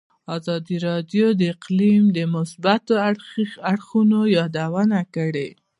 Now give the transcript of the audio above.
ازادي راډیو د اقلیم د مثبتو اړخونو یادونه کړې.